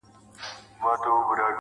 o زه خو پاچا نه؛ خپلو خلگو پر سر ووهلم.